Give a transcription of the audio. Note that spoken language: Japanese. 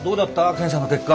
検査の結果。